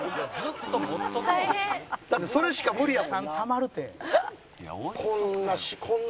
だってそれしか無理やもんな。